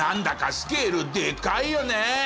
スケールでかいよね！